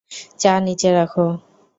চা নিচে রাখ।